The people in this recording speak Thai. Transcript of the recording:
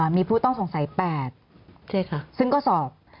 มีผู้ต้องสงสัย๘ซึ่งก็สอบ